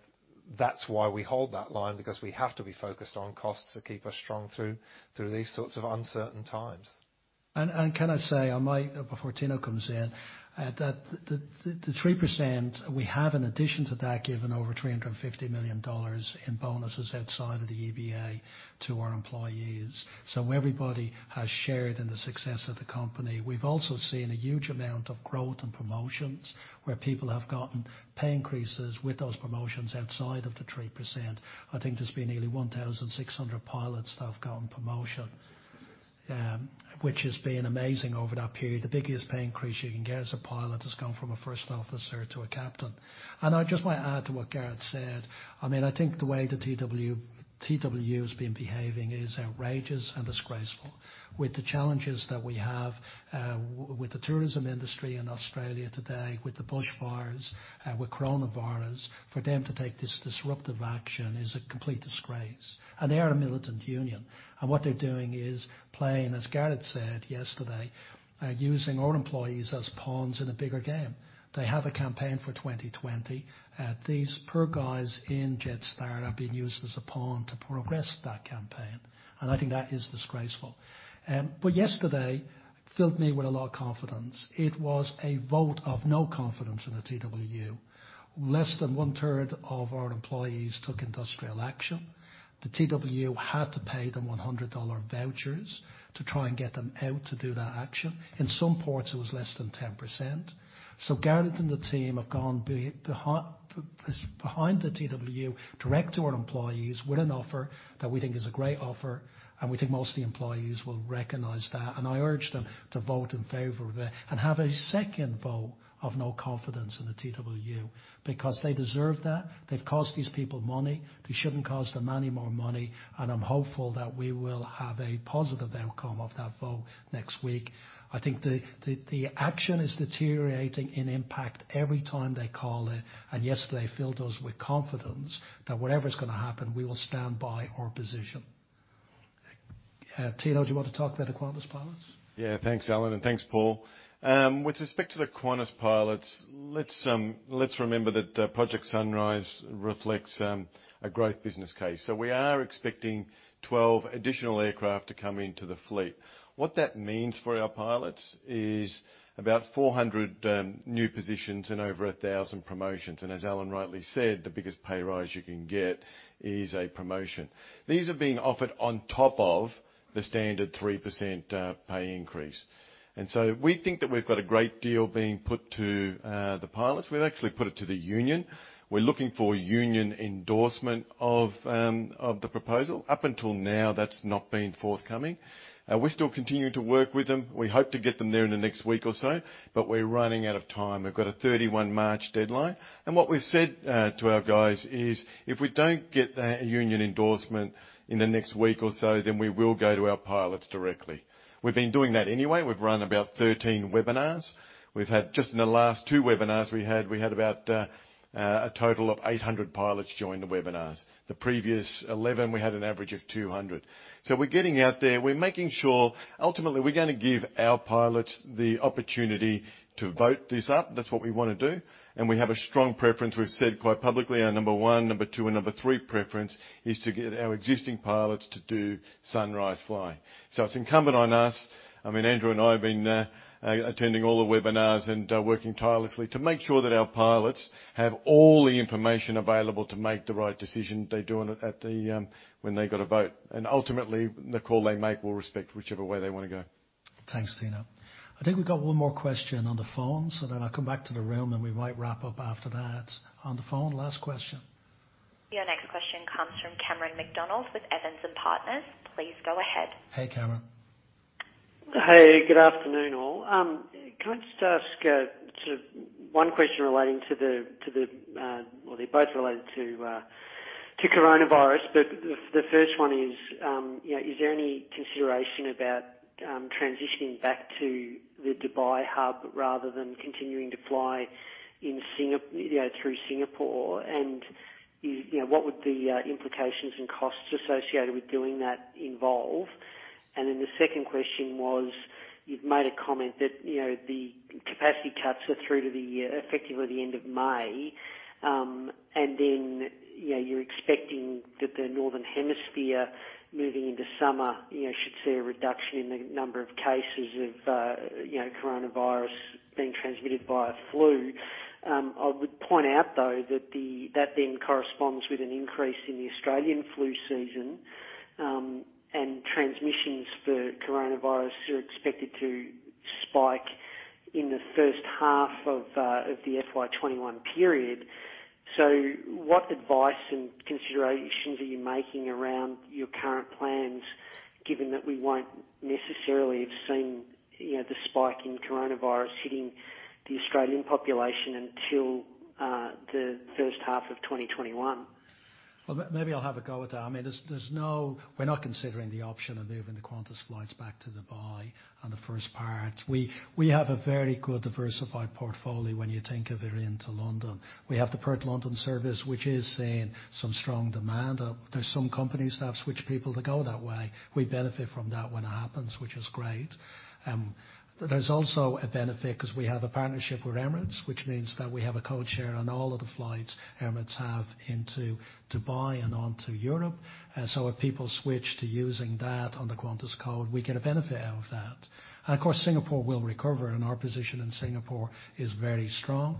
that's why we hold that line because we have to be focused on costs to keep us strong through these sorts of uncertain times. And can I say, before Tino comes in, that the 3% we have, in addition to that, given over 350 million dollars in bonuses outside of the EBA to our employees. So everybody has shared in the success of the company. We've also seen a huge amount of growth and promotions where people have gotten pay increases with those promotions outside of the 3%. I think there's been nearly 1,600 pilots that have gotten promotion, which has been amazing over that period. The biggest pay increase you can get as a pilot has gone from a first officer to a captain. And I just want to add to what Gareth said. I mean, I think the way the TWU has been behaving is outrageous and disgraceful. With the challenges that we have with the tourism industry in Australia today, with the bushfires, with coronavirus, for them to take this disruptive action is a complete disgrace, and they are a militant union. And what they're doing is playing, as Gareth said yesterday, using our employees as pawns in a bigger game. They have a campaign for 2020. These poor guys in Jetstar have been used as a pawn to progress that campaign, and I think that is disgraceful, but yesterday filled me with a lot of confidence. It was a vote of no confidence in the TWU. Less than one third of our employees took industrial action. The TWU had to pay them 100 dollar vouchers to try and get them out to do that action. In some ports, it was less than 10%. So Gareth and the team have gone behind the TWU, direct to our employees with an offer that we think is a great offer. And we think most of the employees will recognize that. And I urge them to vote in favor of it and have a second vote of no confidence in the TWU because they deserve that. They've cost these people money. They shouldn't cost them any more money. And I'm hopeful that we will have a positive outcome of that vote next week. I think the action is deteriorating in impact every time they call it. And yesterday filled us with confidence that whatever is going to happen, we will stand by our position. Tino, do you want to talk about the Qantas pilots? Yeah, thanks, Alan, and thanks, Paul. With respect to the Qantas pilots, let's remember that Project Sunrise reflects a growth business case. So we are expecting 12 additional aircraft to come into the fleet. What that means for our pilots is about 400 new positions and over 1,000 promotions. And as Alan rightly said, the biggest pay rise you can get is a promotion. These are being offered on top of the standard 3% pay increase. And so we think that we've got a great deal being put to the pilots. We've actually put it to the union. We're looking for union endorsement of the proposal. Up until now, that's not been forthcoming. We're still continuing to work with them. We hope to get them there in the next week or so, but we're running out of time. We've got a 31 March deadline. And what we've said to our guys is, if we don't get that union endorsement in the next week or so, then we will go to our pilots directly. We've been doing that anyway. We've run about 13 webinars. Just in the last two webinars, we had about a total of 800 pilots join the webinars. The previous 11, we had an average of 200. So we're getting out there. We're making sure ultimately we're going to give our pilots the opportunity to vote this up. That's what we want to do. And we have a strong preference. We've said quite publicly our number one, number two, and number three preference is to get our existing pilots to do Sunrise fly. So it's incumbent on us. I mean, Andrew and I have been attending all the webinars and working tirelessly to make sure that our pilots have all the information available to make the right decision they're doing when they've got a vote. And ultimately, the call they make will respect whichever way they want to go. Thanks, Tino. I think we've got one more question on the phone, so then I'll come back to the room, and we might wrap up after that. On the phone, last question. Your next question comes from Cameron McDonald with Evans and Partners. Please go ahead. Hey, Cameron. Hey, good afternoon, all. Can I just ask sort of one question relating to the, well, they're both related to coronavirus, but the first one is, is there any consideration about transitioning back to the Dubai hub rather than continuing to fly through Singapore? And what would the implications and costs associated with doing that involve? And then the second question was, you've made a comment that the capacity cuts are through to effectively the end of May. And then you're expecting that the northern hemisphere, moving into summer, should see a reduction in the number of cases of coronavirus being transmitted via flu. I would point out, though, that that then corresponds with an increase in the Australian flu season, and transmissions for coronavirus are expected to spike in the first half of the FY21 period. So what advice and considerations are you making around your current plans, given that we won't necessarily have seen the spike in coronavirus hitting the Australian population until the first half of 2021? Well, maybe I'll have a go at that. I mean, we're not considering the option of moving the Qantas flights back to Dubai and the first part. We have a very good diversified portfolio when you think of it into London. We have the Perth-London service, which is seeing some strong demand. There's some companies that have switched people to go that way. We benefit from that when it happens, which is great. There's also a benefit because we have a partnership with Emirates, which means that we have a code share on all of the flights Emirates have into Dubai and onto Europe. So if people switch to using that on the Qantas code, we get a benefit out of that. And of course, Singapore will recover, and our position in Singapore is very strong.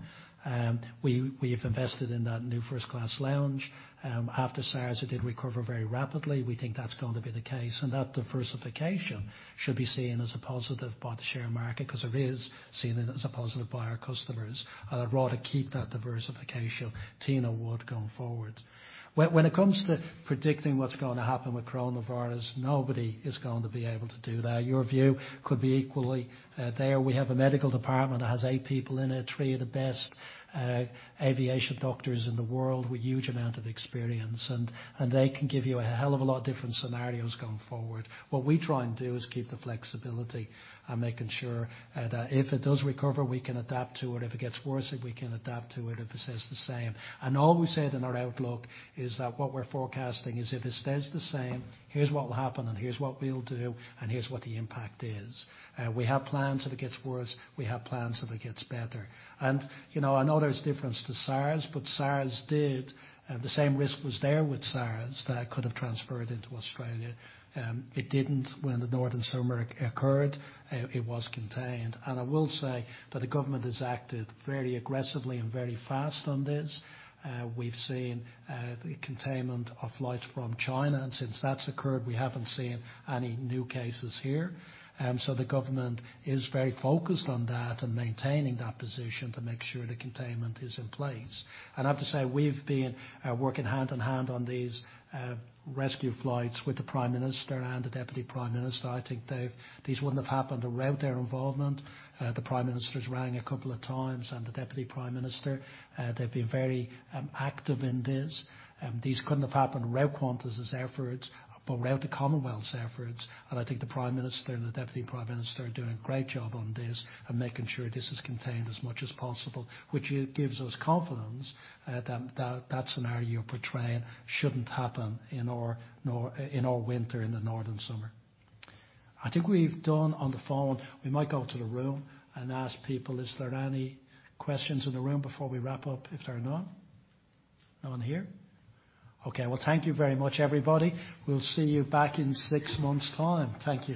We have invested in that new first class lounge. After SARS did recover very rapidly, we think that's going to be the case. And that diversification should be seen as a positive by the share market because it is seen as a positive by our customers. And I'd rather keep that diversification, Tino, would go forward. When it comes to predicting what's going to happen with coronavirus, nobody is going to be able to do that. Your view could be equally there. We have a medical department that has eight people in it, three of the best aviation doctors in the world with a huge amount of experience. And they can give you a hell of a lot of different scenarios going forward. What we try and do is keep the flexibility and making sure that if it does recover, we can adapt to it. If it gets worse, we can adapt to it if it stays the same. And all we've said in our outlook is that what we're forecasting is if it stays the same, here's what will happen, and here's what we'll do, and here's what the impact is. We have plans if it gets worse. We have plans if it gets better. And I know there's difference to SARS, but SARS did. The same risk was there with SARS that could have transferred into Australia. It didn't when the northern summer occurred. It was contained. And I will say that the government has acted very aggressively and very fast on this. We've seen the containment of flights from China. And since that's occurred, we haven't seen any new cases here. So the government is very focused on that and maintaining that position to make sure the containment is in place. And I have to say, we've been working hand in hand on these rescue flights with the Prime Minister and the Deputy Prime Minister. I think these wouldn't have happened without their involvement. The Prime Minister's rang a couple of times and the Deputy Prime Minister. They've been very active in this. These couldn't have happened without Qantas's efforts, but without the Commonwealth's efforts. And I think the Prime Minister and the Deputy Prime Minister are doing a great job on this and making sure this is contained as much as possible, which gives us confidence that that scenario you're portraying shouldn't happen in our winter in the northern summer. I think we've done on the phone. We might go to the room and ask people, is there any questions in the room before we wrap up? If there are none. No one here? Okay. Thank you very much, everybody. We'll see you back in six months' time. Thank you.